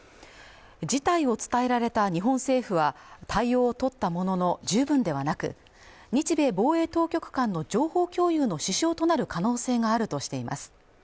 事態を伝えられた日本政府は対応をとったものの十分ではなく日米防衛当局間の情報共有の支障となる可能性があるとしています